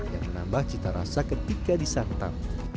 yang menambah cita rasa ketika disantap